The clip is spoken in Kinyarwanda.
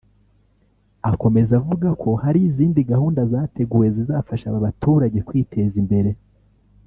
Akomeza avuga ko hari izindi gahunda zateguwe zizafasha aba baturage kwiteza imbere